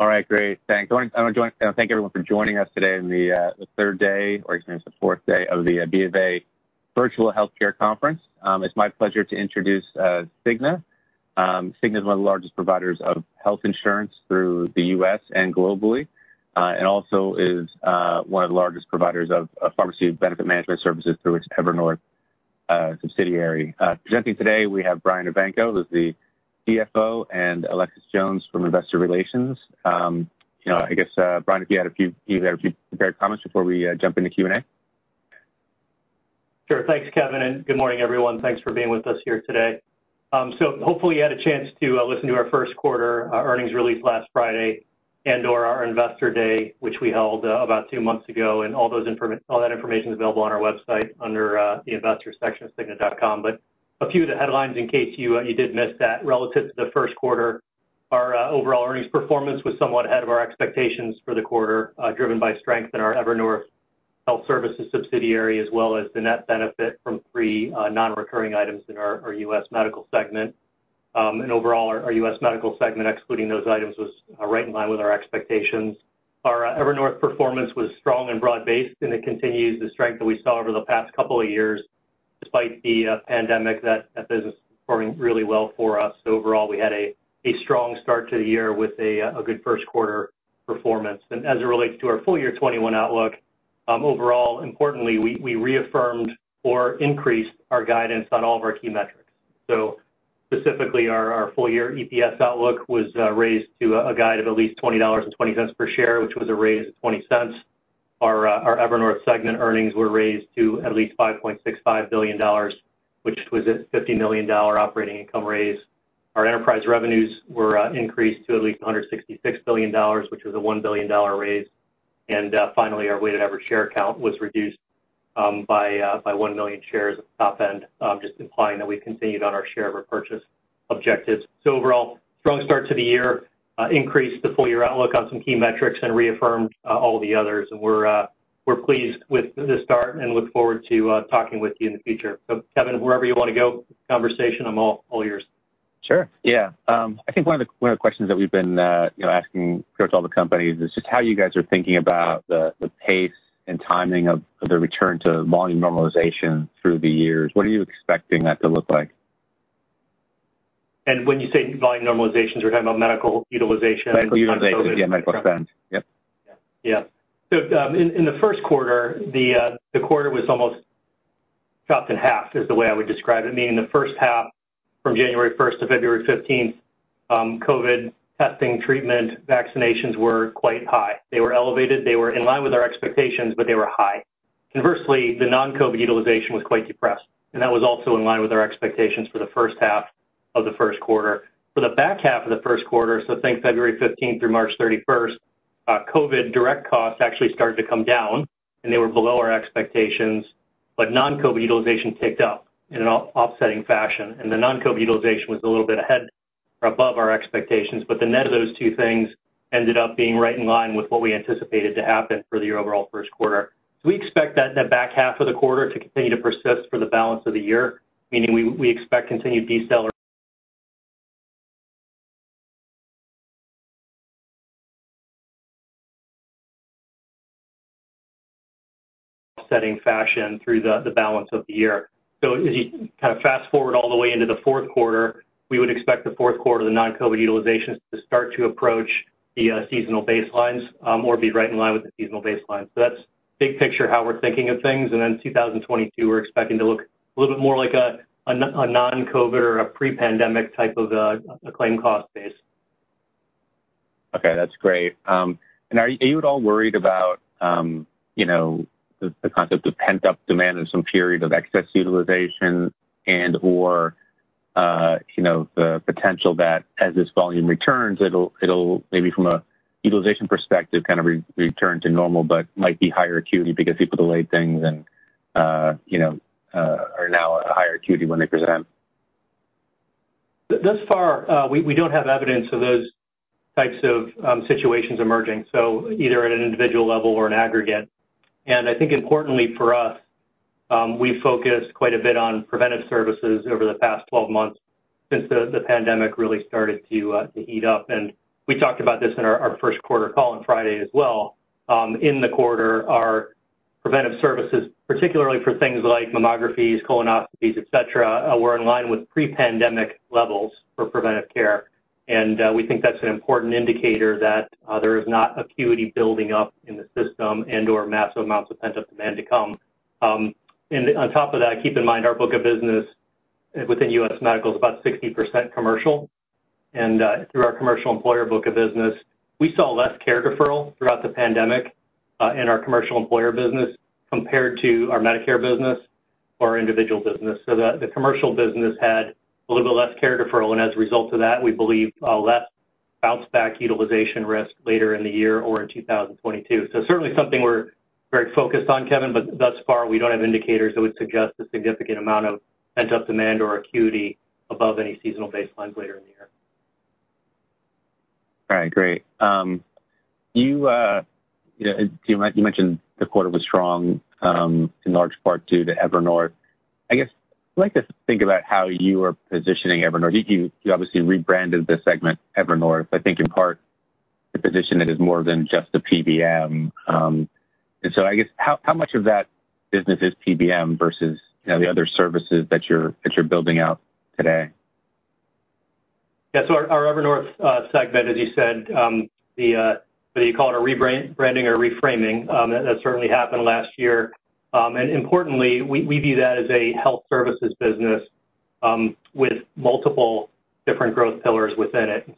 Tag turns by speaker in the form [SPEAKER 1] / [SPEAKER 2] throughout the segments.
[SPEAKER 1] All right, great. Thanks. I want to thank everyone for joining us today on the third day, or I guess the fourth day, of the BofA Virtual Health Care Conference. It's my pleasure to introduce Cigna. Cigna is one of the largest providers of health insurance through the U.S. and globally, and also is one of the largest providers of pharmacy benefit management services through its Evernorth subsidiary. Presenting today, we have Brian Evanko, who's the Chief Financial Officer, and Alexis Jones from Investor Relations. Brian, if you had a few prepared comments before we jump into Q&A?
[SPEAKER 2] Sure. Thanks, Kevin, and good morning, everyone. Thanks for being with us here today. Hopefully, you had a chance to listen to our first quarter earnings released last Friday and/or our investor day, which we held about two months ago. All that information is available on our website under the investors section at cigna.com. A few of the headlines in case you did miss that, relative to the first quarter, our overall earnings performance was somewhat ahead of our expectations for the quarter, driven by strength in our Evernorth Health Services subsidiary, as well as the net benefit from three non-recurring items in our U.S. medical segment. Overall, our U.S. medical segment, excluding those items, was right in line with our expectations. Our Evernorth performance was strong and broad-based, and it continues the strength that we saw over the past couple of years. Despite the pandemic, that business is performing really well for us. Overall, we had a strong start to the year with a good first quarter performance. As it relates to our full-year 2021 outlook, importantly, we reaffirmed or increased our guidance on all of our key metrics. Specifically, our full-year EPS outlook was raised to a guide of at least $20.2/share, which was a raise of $0.20. Our Evernorth segment earnings were raised to at least $5.65 billion, which was a $50 million operating income raise. Our enterprise revenues were increased to at least $166 billion, which was a $1 billion raise. Finally, our weighted average share count was reduced by 1 million shares at the top end, just implying that we've continued on our share repurchase objectives. Overall, strong start to the year, increased the full-year outlook on some key metrics, and reaffirmed all the others. We're pleased with this start and look forward to talking with you in the future. Kevin, wherever you want to go, conversation, I'm all yours.
[SPEAKER 1] Sure. I think one of the questions that we've been asking pretty much all the companies is just how you guys are thinking about the pace and timing of the return to volume normalization through the year. What are you expecting that to look like?
[SPEAKER 2] When you say volume normalization, you're talking about medical utilization?
[SPEAKER 1] Medical utilization, medical spend. Yeah.
[SPEAKER 2] Yeah. In the first quarter, the quarter was almost chopped in half, is the way I would describe it. Meaning the first half, from January 1 to February 15, COVID testing, treatment, vaccinations were quite high. They were elevated. They were in line with our expectations, but they were high. Conversely, the non-COVID utilization was quite depressed. That was also in line with our expectations for the first half of the first quarter. For the back half of the first quarter, think February 15 through March 31, COVID direct costs actually started to come down, and they were below our expectations. Non-COVID utilization picked up in an offsetting fashion, and the non-COVID utilization was a little bit ahead or above our expectations. The net of those two things ended up being right in line with what we anticipated to happen for the overall first quarter. We expect that in the back half of the quarter to continue to persist for the balance of the year, meaning we expect continued sellers in a setting fashion through the balance of the year. As you kind of fast forward all the way into the fourth quarter, we would expect the fourth quarter of the non-COVID utilization to start to approach the seasonal baselines or be right in line with the seasonal baseline. That's big picture how we're thinking of things. In 2022, we're expecting to look a little bit more like a non-COVID or a pre-pandemic type of claim cost base.
[SPEAKER 1] That's great. Are you at all worried about the concept of pent-up demand and some period of excess utilization and/or the potential that as this volume returns, it will maybe from a utilization perspective kind of return to normal, but might be higher acuity because people delayed things and are now at a higher acuity when they present?
[SPEAKER 2] Thus far, we don't have evidence of those types of situations emerging, either at an individual level or in aggregate. I think importantly for us, we've focused quite a bit on preventive services over the past 12 months since the pandemic really started to heat up. We talked about this in our first quarter call on Friday as well. In the quarter, our preventive services, particularly for things like mammographies, colonoscopies, etc., were in line with pre-pandemic levels for preventive care. We think that's an important indicator that there is not acuity building up in the system or massive amounts of pent-up demand to come. On top of that, keep in mind our book of business within U.S. medical is about 60% commercial. Through our commercial employer book of business, we saw less care deferral throughout the pandemic in our commercial employer business compared to our Medicare business or our individual business. The commercial business had a little bit less care deferral. As a result of that, we believe less bounce-back utilization risk later in the year or in 2022. This is certainly something we're very focused on, Kevin, but thus far, we don't have indicators that would suggest a significant amount of pent-up demand or acuity above any seasonal baselines later in the year.
[SPEAKER 1] All right, great. You mentioned the quarter was strong in large part due to Evernorth. I guess I'd like to think about how you are positioning Evernorth. You obviously rebranded the segment Evernorth, I think in part to position it as more than just a PBM. I guess how much of that business is PBM vs the other services that you're building out today?
[SPEAKER 2] Yeah, so our Evernorth segment, as you said, whether you call it a rebranding or a reframing, that certainly happened last year. Importantly, we view that as a health services business with multiple different growth pillars within it.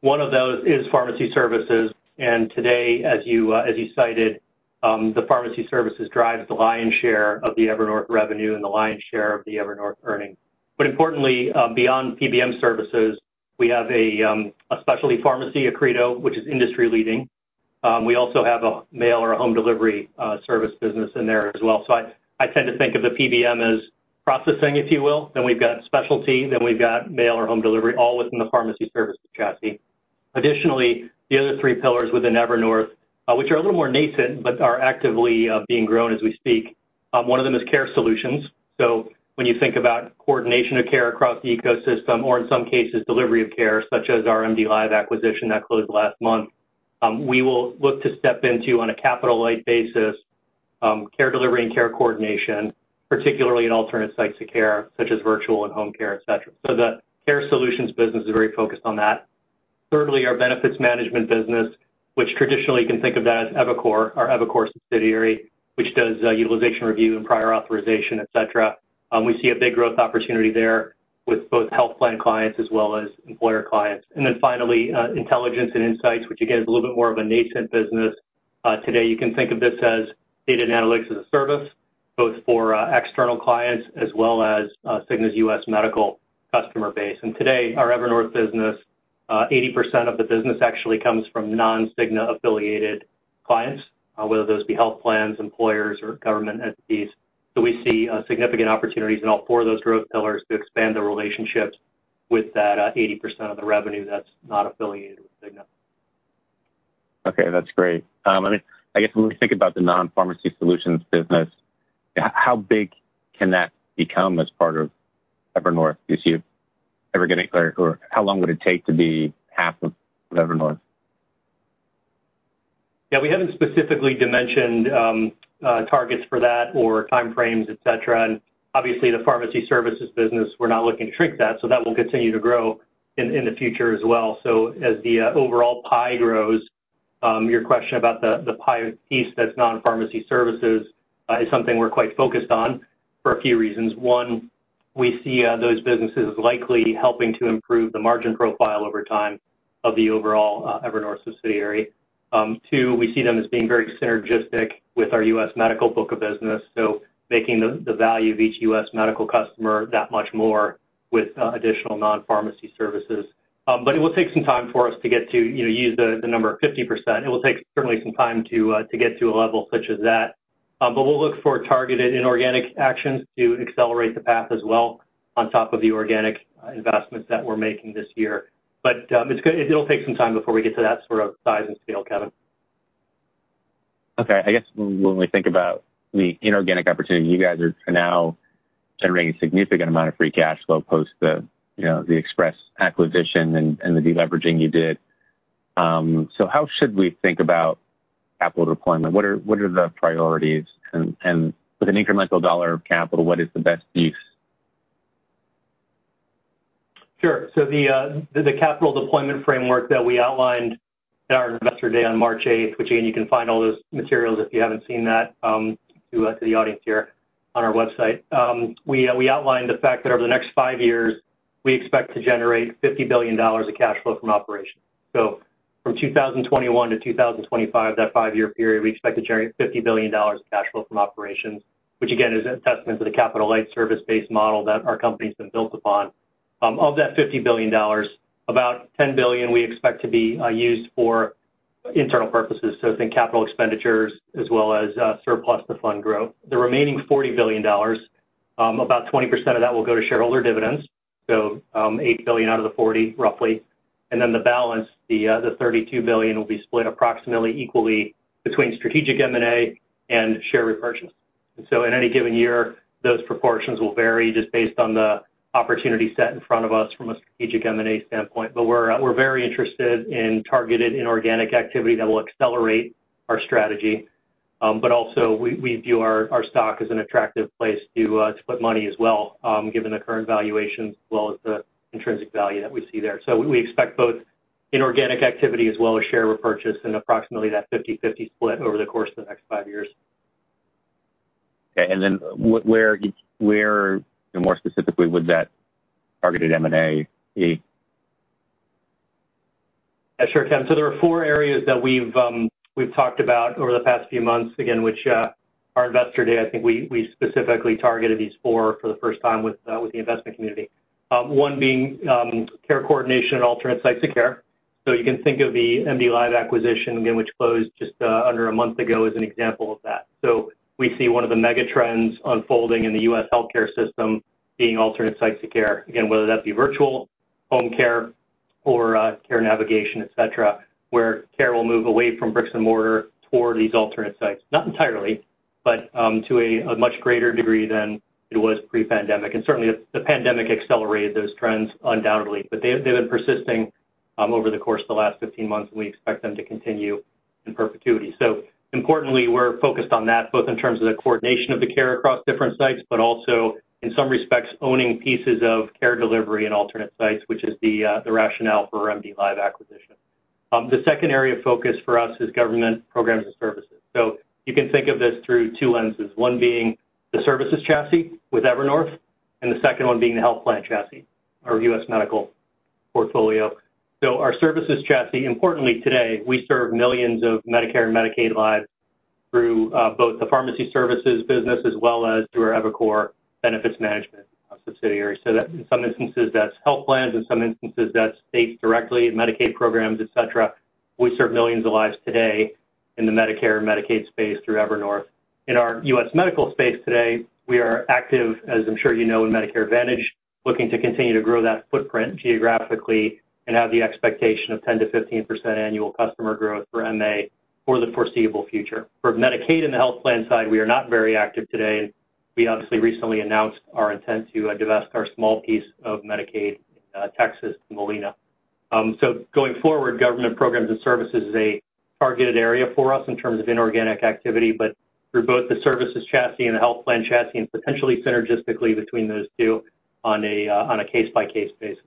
[SPEAKER 2] One of those is pharmacy services. Today, as you cited, the pharmacy services drive the lion's share of the Evernorth revenue and the lion's share of the Evernorth earnings. Importantly, beyond PBM services, we have a specialty pharmacy, Accredo, which is industry leading. We also have a mail or a home delivery service business in there as well. I tend to think of the PBM as processing, if you will. Then we've got specialty. Then we've got mail or home delivery, all within the pharmacy service chassis. Additionally, the other three pillars within Evernorth, which are a little more nascent but are actively being grown as we speak, one of them is care solutions. When you think about coordination of care across the ecosystem, or in some cases, delivery of care, such as our MDLIVE acquisition that closed last month, we will look to step into on a capital-weight basis, care delivery and care coordination, particularly in alternate sites of care, such as virtual and home care, etc. The care solutions business is very focused on that. Thirdly, our benefits management business, which traditionally you can think of as eviCore, our eviCore subsidiary, which does utilization review and prior authorization, etc. We see a big growth opportunity there with both health plan clients as well as employer clients. Finally, intelligence and insights, which again is a little bit more of a nascent business. Today, you can think of this as data analytics as a service, both for external clients as well as Cigna's U.S. medical customer base. Today, our Evernorth business, 80% of the business actually comes from non-Cigna affiliated clients, whether those be health plans, employers, or government entities. We see significant opportunities in all four of those growth pillars to expand the relationships with that 80% of the revenue that's not affiliated with Cigna.
[SPEAKER 1] OK, that's great. I guess when we think about the non-pharmacy solutions business, how big can that become as part of Evernorth? Is it ever getting clear how long would it take to be half of Evernorth?
[SPEAKER 2] Yeah, we haven't specifically mentioned targets for that or time frames, etc. Obviously, the pharmacy services business, we're not looking to shrink that. That will continue to grow in the future as well. As the overall pie grows, your question about the piece that's non-pharmacy services is something we're quite focused on for a few reasons. One, we see those businesses as likely helping to improve the margin profile over time of the overall Evernorth subsidiary. Two, we see them as being very synergistic with our U.S. medical book of business, making the value of each U.S. medical customer that much more with additional non-pharmacy services. It will take some time for us to get to, you used the number of 50%. It will certainly take some time to get to a level such as that. We'll look for targeted inorganic actions to accelerate the path as well on top of the organic investments that we're making this year. It'll take some time before we get to that sort of size and scale, Kevin.
[SPEAKER 1] OK, I guess when we think about the inorganic opportunity, you guys are now generating a significant amount of free cash flow post the Express acquisition and the deleveraging you did. How should we think about capital deployment? What are the priorities? With an incremental dollar of capital, what is the best use?
[SPEAKER 2] Sure. The capital deployment framework that we outlined at our investor day on March 8, which, again, you can find all those materials if you haven't seen that, to the audience here on our website, we outlined the fact that over the next five years, we expect to generate $50 billion of cash flow from operations. From 2021-2025, that five-year period, we expect to generate $50 billion of cash flow from operations, which again is a testament to the capital-light service-based model that our company has been built upon. Of that $50 billion, about $10 billion we expect to be used for internal purposes, so it's in capital expenditures as well as surplus to fund growth. The remaining $40 billion, about 20% of that will go to shareholder dividends, so $8 billion out of the $40 billion roughly. The balance, the $32 billion, will be split approximately equally between strategic M&A and share repurchase. In any given year, those proportions will vary just based on the opportunity set in front of us from a strategic M&A standpoint. We're very interested in targeted inorganic activity that will accelerate our strategy. We also view our stock as an attractive place to put money as well, given the current valuation as well as the intrinsic value that we see there. We expect both inorganic activity as well as share repurchase in approximately that 50/50 split over the course of the next five years.
[SPEAKER 1] OK, and then where more specifically would that targeted M&A be?
[SPEAKER 2] Sure, Kevin. There are four areas that we've talked about over the past few months, which at our investor day, I think we specifically targeted these four for the first time with the investment community. One being Care coordination at alternate sites of care. You can think of the MDLIVE acquisition, which closed just under a month ago, as an example of that. We see one of the mega trends unfolding in the U.S. health care system being alternate sites of care, whether that be virtual, home care, or care navigation, etc., where care will move away from bricks and mortar toward these alternate sites, not entirely, but to a much greater degree than it was pre-pandemic. The pandemic accelerated those trends undoubtedly, but they've been persisting over the course of the last 15 months, and we expect them to continue in perpetuity. Importantly, we're focused on that, both in terms of the coordination of the care across different sites, but also in some respects owning pieces of care delivery in alternate sites, which is the rationale for our MDLIVE acquisition. The second area of focus for us is Government programs and services. You can think of this through two lenses, one being the services chassis with Evernorth and the second one being the health plan chassis, our U.S. medical portfolio. Our services chassis, importantly today, serves millions of Medicare and Medicaid lives through both the pharmacy services business as well as through our eviCore benefits management subsidiary. In some instances, that's health plans. In some instances, that's states directly, Medicaid programs, et cetera. We serve millions of lives today in the Medicare and Medicaid space through Evernorth. In our U.S. medical space today, we are active, as I'm sure you know, in Medicare Advantage, looking to continue to grow that footprint geographically and have the expectation of 10%-15% annual customer growth for M&A for the foreseeable future. For Medicaid and the health plan side, we are not very active today. We obviously recently announced our intent to divest our small piece of Medicaid in Texas and Molina. Going forward, government programs and services is a targeted area for us in terms of inorganic activity, but through both the services chassis and the health plan chassis and potentially synergistically between those two on a case-by-case basis.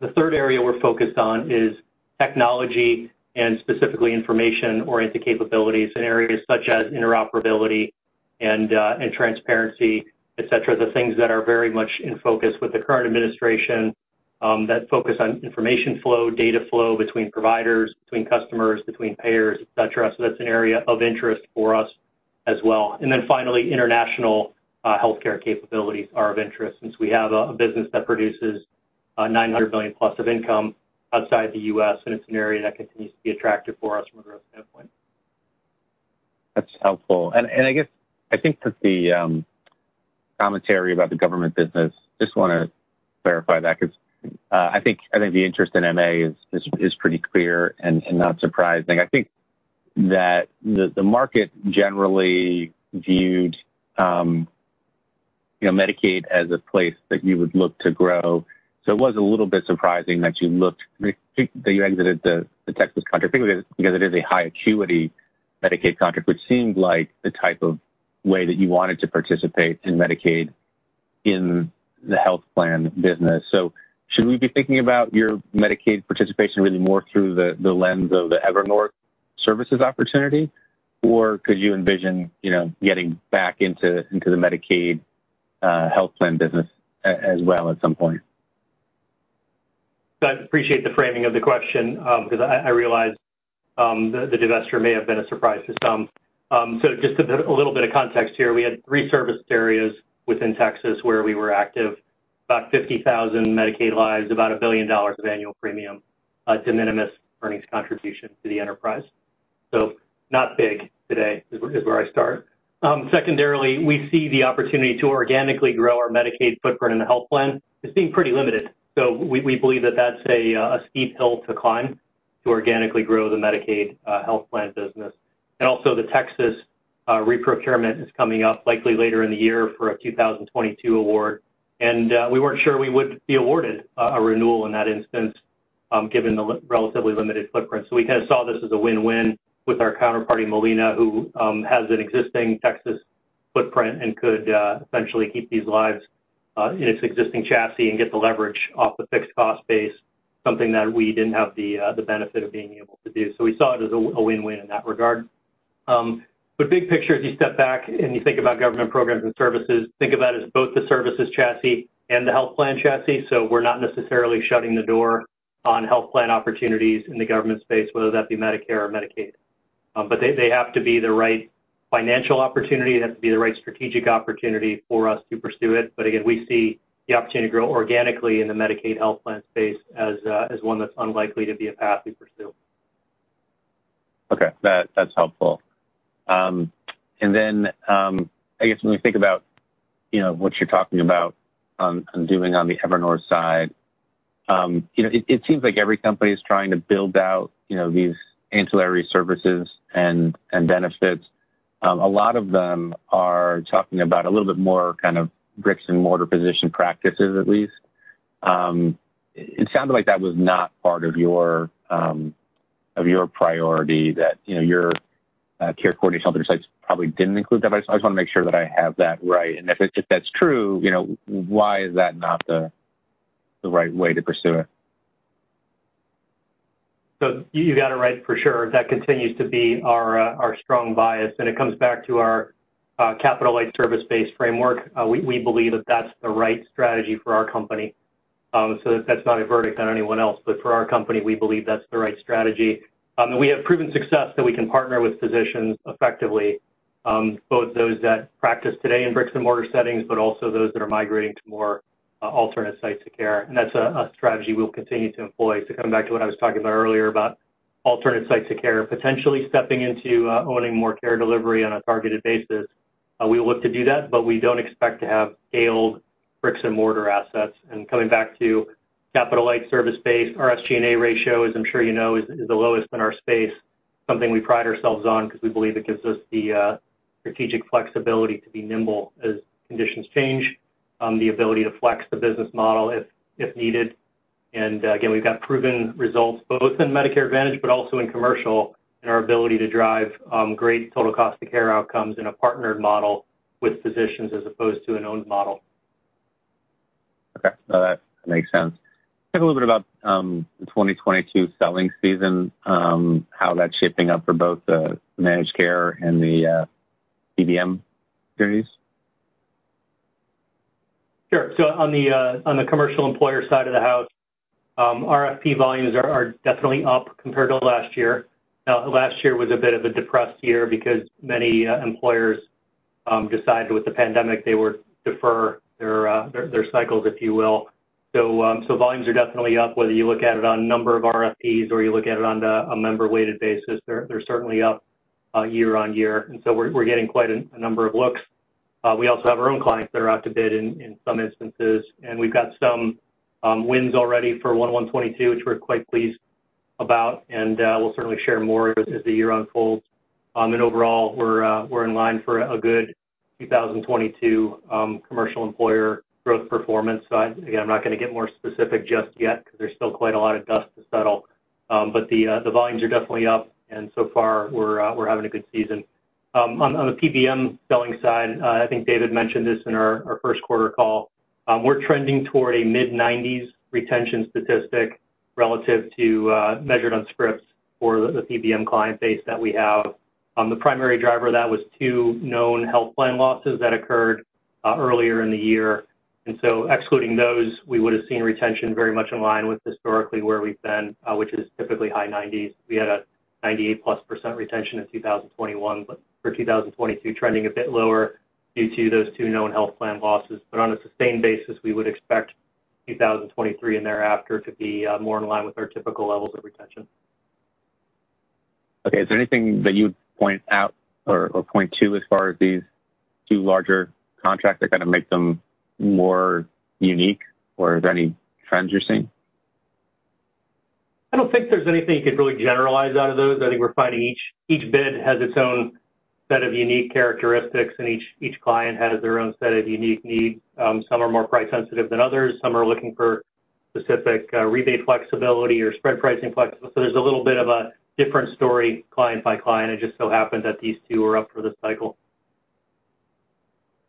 [SPEAKER 2] The third area we're focused on is technology and specifically information-oriented capabilities in areas such as interoperability and transparency, etc., the things that are very much in focus with the current administration that focus on information flow, data flow between providers, between customers, between payers, etc. That's an area of interest for us as well. Finally, International health care capabilities are of interest since we have a business that produces $900 billion+ of income outside the U.S., and it's an area that continues to be attractive for us from a growth standpoint.
[SPEAKER 1] That's helpful. I think that the commentary about the government business, I just want to clarify that because I think the interest in M&A is pretty clear and not surprising. I think that the market generally viewed Medicaid as a place that you would look to grow. It was a little bit surprising that you exited the Texas contract because it is a high-acuity Medicaid contract, which seemed like the type of way that you wanted to participate in Medicaid in the health plan business. Should we be thinking about your Medicaid participation really more through the lens of the Evernorth services opportunity? Could you envision getting back into the Medicaid health plan business as well at some point?
[SPEAKER 2] I appreciate the framing of the question because I realized the divestiture may have been a surprise to some. Just a little bit of context here, we had three service areas within Texas where we were active, about 50,000 Medicaid lives, about $1 billion of annual premium, a de minimis earnings contribution to the enterprise. Not big today is where I start. Secondarily, we see the opportunity to organically grow our Medicaid footprint in the health plan as being pretty limited. We believe that that's a steep hill to climb to organically grow the Medicaid health plan business. Also, the Texas reprocurement is coming up likely later in the year for a 2022 award. We weren't sure we would be awarded a renewal in that instance given the relatively limited footprint. We kind of saw this as a win-win with our counterparty Molina, who has an existing Texas footprint and could essentially keep these lives in its existing chassis and get the leverage off the fixed cost base, something that we didn't have the benefit of being able to do. We saw it as a win-win in that regard. Big picture, as you step back and you think about government programs and services, think about it as both the services chassis and the health plan chassis. We're not necessarily shutting the door on health plan opportunities in the government space, whether that be Medicare or Medicaid. They have to be the right financial opportunity. They have to be the right strategic opportunity for us to pursue it. Again, we see the opportunity to grow organically in the Medicaid health plan space as one that's unlikely to be a path we pursue.
[SPEAKER 1] OK, that's helpful. I guess when we think about what you're talking about doing on the Evernorth side, it seems like every company is trying to build out these ancillary services and benefits. A lot of them are talking about a little bit more kind of bricks-and-mortar position practices, at least. It sounded like that was not part of your priority, that your care coordination helping sites probably didn't include that. I just want to make sure that I have that right. If that's true, why is that not the right way to pursue it?
[SPEAKER 2] You got it right for sure. That continues to be our strong bias, and it comes back to our capital-weight service-based framework. We believe that that's the right strategy for our company. That's not a verdict on anyone else, but for our company, we believe that's the right strategy. We have proven success that we can partner with physicians effectively, both those that practice today in bricks-and-mortar settings and those that are migrating to more alternate sites of care. That's a strategy we'll continue to employ. Coming back to what I was talking about earlier regarding alternate sites of care potentially stepping into owning more care delivery on a targeted basis, we look to do that. We don't expect to have scaled bricks-and-mortar assets. Coming back to capital-weight service-based, our FG&A ratio, as I'm sure you know, is the lowest in our space, something we pride ourselves on because we believe it gives us the strategic flexibility to be nimble as conditions change and the ability to flex the business model if needed. We've got proven results both in Medicare Advantage and in commercial, in our ability to drive great total cost of care outcomes in a partnered model with physicians as opposed to an owned model.
[SPEAKER 1] OK, no, that makes sense. Talk a little bit about the 2022 selling season, how that's shaping up for both the managed care and the PBM journeys.
[SPEAKER 2] Sure. On the commercial employer side of the house, RFP volumes are definitely up compared to last year. Last year was a bit of a depressed year because many employers decided with the pandemic they would defer their cycles, if you will. Volumes are definitely up, whether you look at it on a number of RFPs or you look at it on a member-weighted basis. They're certainly up year-on-year, and we're getting quite a number of looks. We also have our own clients that are out to bid in some instances. We've got some wins already for 1/1/22, which we're quite pleased about, and we'll certainly share more as the year unfolds. Overall, we're in line for a good 2022 commercial employer growth performance. Again, I'm not going to get more specific just yet because there's still quite a lot of dust to settle. The volumes are definitely up, and so far, we're having a good season. On the PBM selling side, I think David mentioned this in our first quarter call, we're trending toward a mid-90% retention statistic relative to measured on scripts for the PBM client base that we have. The primary driver of that was two known health plan losses that occurred earlier in the year. Excluding those, we would have seen retention very much in line with historically where we've been, which is typically high 90%. We had a 98%+ retention in 2021, but for 2022, trending a bit lower due to those two known health plan losses. On a sustained basis, we would expect 2023 and thereafter to be more in line with our typical levels of retention.
[SPEAKER 1] OK, is there anything that you'd point out or point to as far as these two larger contracts that kind of make them more unique? Are there any trends you're seeing?
[SPEAKER 2] I don't think there's anything you could really generalize out of those. I think we're finding each bid has its own set of unique characteristics, and each client has their own set of unique needs. Some are more price sensitive than others. Some are looking for specific rebate flexibility or spread pricing flexibility. There's a little bit of a different story client by client. It just so happened that these two were up for the cycle.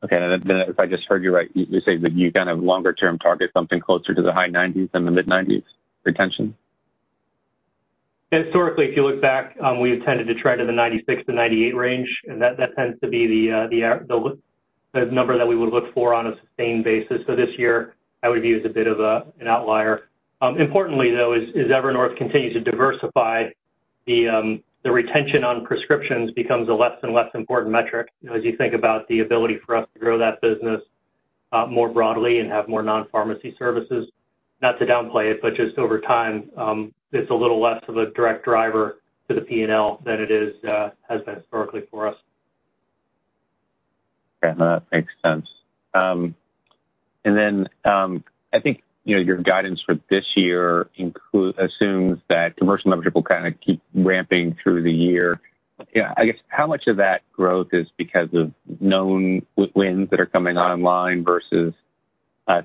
[SPEAKER 1] OK. If I just heard you right, you say that you kind of longer term target something closer to the high 90% than the mid 90% retention?
[SPEAKER 2] Historically, if you look back, we tended to trend in the 96%-98% range. That tends to be the number that we would look for on a sustained basis. This year, I would view as a bit of an outlier. Importantly, though, as Evernorth continues to diversify, the retention on prescriptions becomes a less and less important metric as you think about the ability for us to grow that business more broadly and have more non-pharmacy services. Not to downplay it, but just over time, it's a little less of a direct driver to the P&L than it has been historically for us.
[SPEAKER 1] OK, that makes sense. I think your guidance for this year assumes that commercial membership will kind of keep ramping through the year. How much of that growth is because of known wins that are coming online versus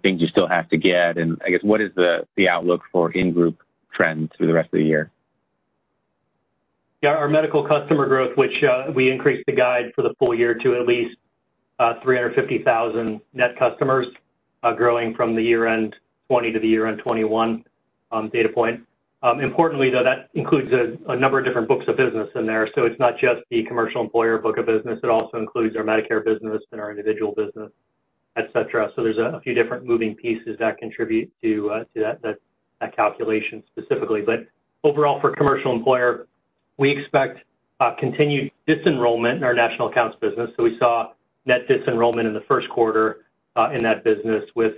[SPEAKER 1] things you still have to get? What is the outlook for in-group trends through the rest of the year?
[SPEAKER 2] Yeah, our medical customer growth, which we increased the guide for the full year to at least 350,000 net customers, growing from the year-end 2020 to the year-end 2021 data point. Importantly, though, that includes a number of different books of business in there. It's not just the commercial employer book of business. It also includes our Medicare business and our individual business, etc. There's a few different moving pieces that contribute to that calculation specifically. Overall, for commercial employer, we expect continued disenrollment in our national accounts business. We saw net disenrollment in the first quarter in that business with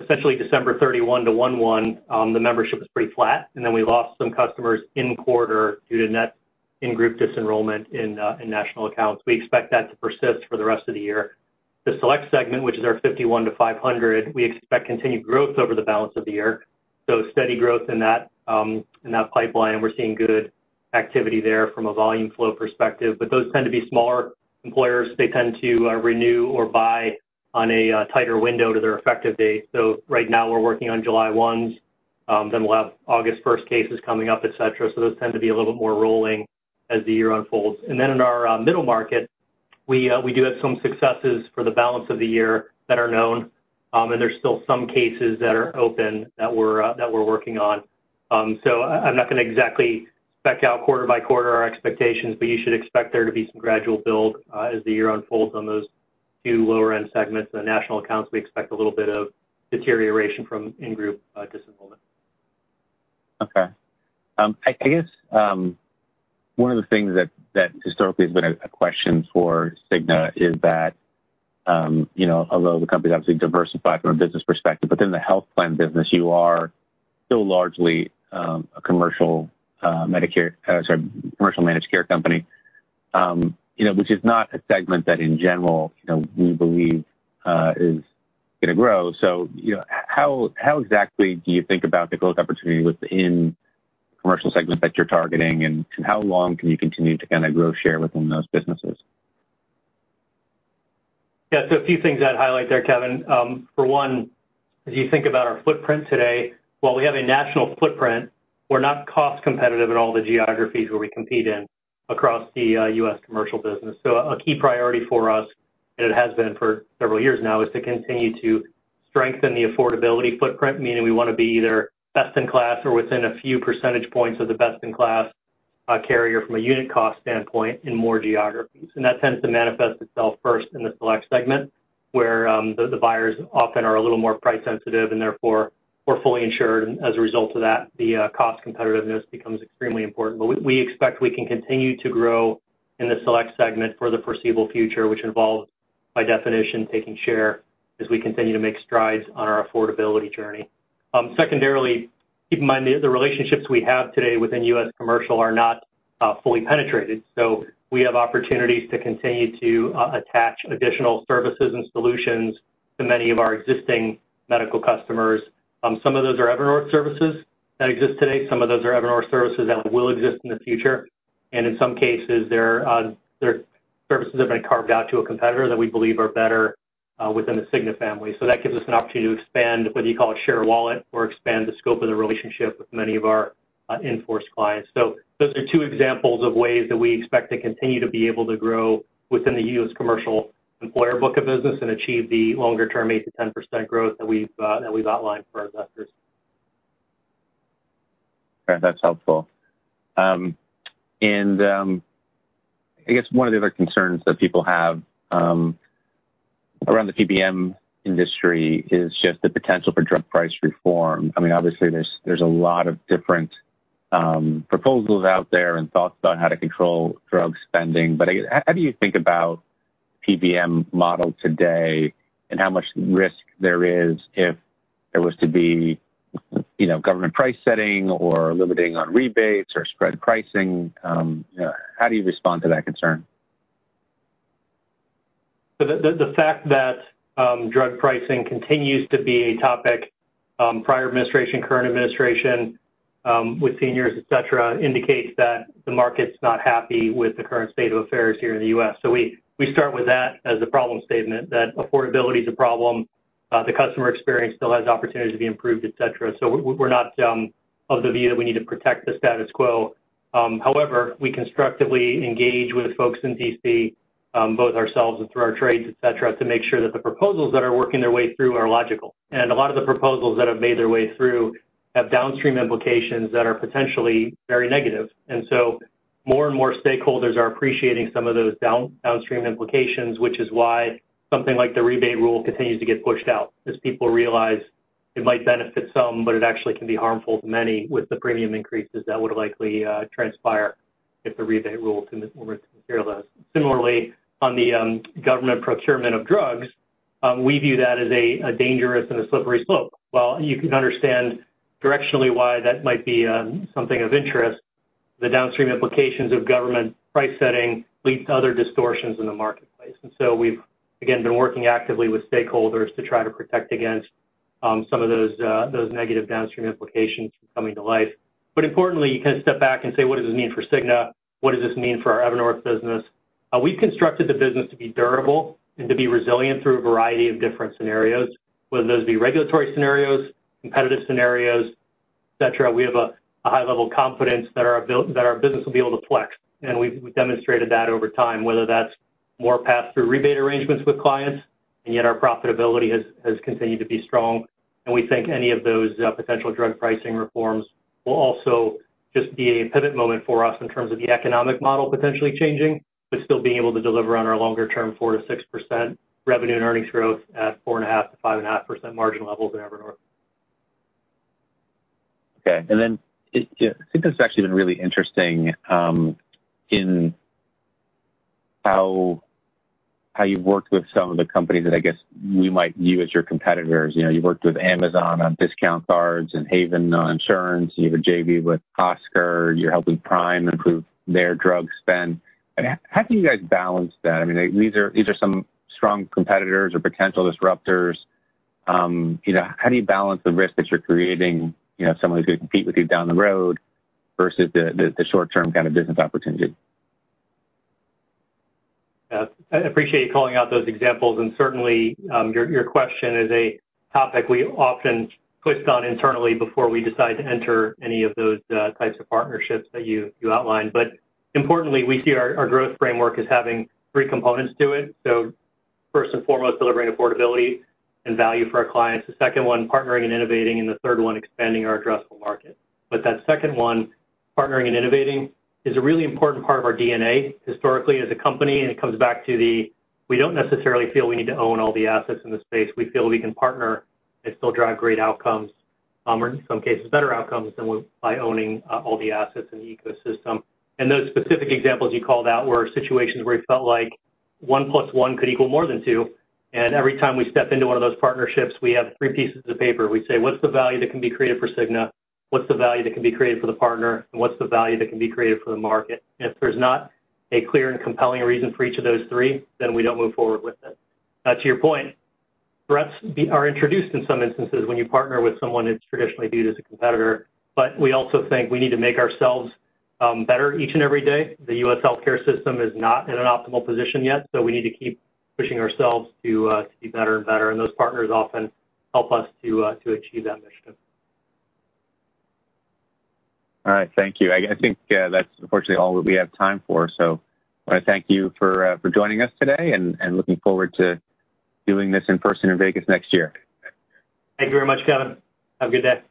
[SPEAKER 2] essentially December 31 to 1/1, the membership was pretty flat. We lost some customers in quarter due to net in-group disenrollment in national accounts. We expect that to persist for the rest of the year. The select segment, which is our 51-500, we expect continued growth over the balance of the year. Steady growth in that pipeline, and we're seeing good activity there from a volume flow perspective. Those tend to be smaller employers. They tend to renew or buy on a tighter window to their effective date. Right now, we're working on July 1s. We'll have August 1st cases coming up, etc. Those tend to be a little bit more rolling as the year unfolds. In our middle market, we do have some successes for the balance of the year that are known. There's still some cases that are open that we're working on. I'm not going to exactly spec out quarter by quarter our expectations, but you should expect there to be some gradual build as the year unfolds on those two lower-end segments of national accounts. We expect a little bit of deterioration from in-group disenrollment.
[SPEAKER 1] OK. I guess one of the things that historically has been a question for Cigna is that, you know, although the company's obviously diversified from a business perspective, within the health plan business, you are still largely a commercial managed care company, which is not a segment that in general we believe is going to grow. How exactly do you think about the growth opportunity within the commercial segment that you're targeting? How long can you continue to kind of grow share within those businesses?
[SPEAKER 2] Yeah, so a few things I'd highlight there, Kevin. For one, as you think about our footprint today, while we have a national footprint, we're not cost competitive in all the geographies where we compete in across the U.S. commercial business. A key priority for us, and it has been for several years now, is to continue to strengthen the affordability footprint, meaning we want to be either best in class or within a few percentage points of the best in class carrier from a unit cost standpoint in more geographies. That tends to manifest itself first in the select segment, where the buyers often are a little more price sensitive and therefore more fully insured. As a result of that, the cost competitiveness becomes extremely important. We expect we can continue to grow in the select segment for the foreseeable future, which involves, by definition, taking share as we continue to make strides on our affordability journey. Secondarily, keep in mind the relationships we have today within U.S. commercial are not fully penetrated. We have opportunities to continue to attach additional services and solutions to many of our existing medical customers. Some of those are Evernorth services that exist today. Some of those are Evernorth services that will exist in the future. In some cases, their services have been carved out to a competitor that we believe are better within the Cigna family. That gives us an opportunity to expand, whether you call it share wallet or expand the scope of the relationship with many of our in-force clients. Those are two examples of ways that we expect to continue to be able to grow within the U.S. commercial employer book of business and achieve the longer term 8%-10% growth that we've outlined for our investors.
[SPEAKER 1] That's helpful. I guess one of the other concerns that people have around the PBM industry is just the potential for drug price reform. I mean, obviously, there's a lot of different proposals out there and thoughts about how to control drug spending. How do you think about the PBM model today and how much risk there is if there was to be government price setting or limiting on rebates or spread pricing? How do you respond to that concern?
[SPEAKER 2] The fact that drug pricing continues to be a topic, prior administration, current administration, with seniors, et cetera, indicates that the market's not happy with the current state of affairs here in the U.S. We start with that as the problem statement that affordability is a problem. The customer experience still has opportunities to be improved, et cetera. We're not of the view that we need to protect the status quo. However, we constructively engage with folks in D.C., both ourselves and through our trades, et cetera, to make sure that the proposals that are working their way through are logical. A lot of the proposals that have made their way through have downstream implications that are potentially very negative. More and more stakeholders are appreciating some of those downstream implications, which is why something like the rebate rule continues to get pushed out as people realize it might benefit some, but it actually can be harmful to many with the premium increases that would likely transpire if the rebate rule were to materialize. Similarly, on the government procurement of drugs, we view that as a dangerous and a slippery slope. While you can understand directionally why that might be something of interest, the downstream implications of government price setting lead to other distortions in the marketplace. We've, again, been working actively with stakeholders to try to protect against some of those negative downstream implications coming to light. Importantly, you can step back and say, what does this mean for Cigna? What does this mean for our Evernorth business? We've constructed the business to be durable and to be resilient through a variety of different scenarios, whether those be regulatory scenarios, competitive scenarios, etc. We have a high level of confidence that our business will be able to flex. We've demonstrated that over time, whether that's more paths through rebate arrangements with clients. Yet our profitability has continued to be strong. We think any of those potential drug pricing reforms will also just be a pivot moment for us in terms of the economic model potentially changing, but still being able to deliver on our longer term 4%-6% revenue and earnings growth at 4.5%-5.5% margin levels in Evernorth.
[SPEAKER 1] OK. I think that's actually been really interesting in how you've worked with some of the companies that I guess we might view as your competitors. You've worked with Amazon on discount cards and Haven on insurance. You have a JV with Oscar. You're helping Prime improve their drug spend. How do you guys balance that? These are some strong competitors or potential disruptors. How do you balance the risk that you're creating if somebody's going to compete with you down the road vs the short-term kind of business opportunity?
[SPEAKER 2] Yeah, I appreciate you calling out those examples. Certainly, your question is a topic we often touched on internally before we decide to enter any of those types of partnerships that you outlined. Importantly, we see our growth framework as having three components to it. First and foremost, delivering affordability and value for our clients. The second one, partnering and innovating. The third one, expanding our addressable market. That second one, partnering and innovating, is a really important part of our DNA historically as a company. It comes back to the we don't necessarily feel we need to own all the assets in the space. We feel we can partner and still drive great outcomes, or in some cases, better outcomes than by owning all the assets in the ecosystem. Those specific examples you called out were situations where it felt like 1+1 could equal more than 2. Every time we step into one of those partnerships, we have three pieces of paper. We say, what's the value that can be created for Cigna? What's the value that can be created for the partner? What's the value that can be created for the market? If there's not a clear and compelling reason for each of those three, then we don't move forward with it. To your point, threats are introduced in some instances when you partner with someone that's traditionally viewed as a competitor. We also think we need to make ourselves better each and every day. The U.S. health care system is not in an optimal position yet. We need to keep pushing ourselves to be better and better. Those partners often help us to achieve that mission.
[SPEAKER 1] All right, thank you. I think that's unfortunately all that we have time for. I want to thank you for joining us today and looking forward to doing this in person in Vegas next year.
[SPEAKER 2] Thank you very much, Kevin. Have a good day.